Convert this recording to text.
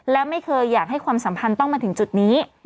และไม่เคยอยากให้ความสัมพันธ์ต้องมาถึงจุดนี้